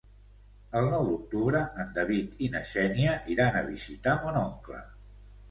El nou d'octubre en David i na Xènia iran a visitar mon oncle.